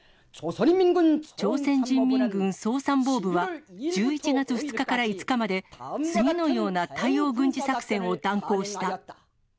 朝鮮人民軍総参謀部は、１１月２日から５日まで次のような対応軍事作戦を断行した。